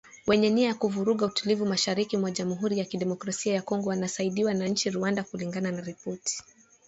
Wenye nia ya kuvuruga utulivu mashariki mwa jamuhuri ya kidemokrasia ya kongo wanasaidiwa na Inchi Rwanda kulingana na ripoti